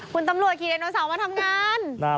คุณตำรวจขี่ไดโนเสาร์มาทำงาน